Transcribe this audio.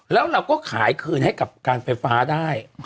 แล้วเราก็ขายคืนให้กับการไฟฟ้าได้